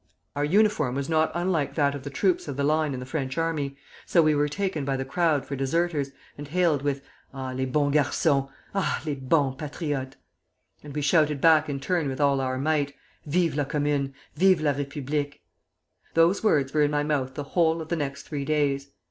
Our uniform was not unlike that of the troops of the line in the French army, so we were taken by the crowd for deserters, and hailed with 'Ah, les bon garçons! Ah, les bons patriotes!' and we shouted back in turn with all our might, 'Vive la Commune! Vive la République!' Those words were in my mouth the whole of the next three days.